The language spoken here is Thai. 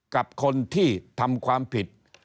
กับคนที่ทำความผิด